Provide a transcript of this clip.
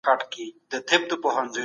مشرانو جرګه د ولسي جرګې پرېکړي څنګه ګوري؟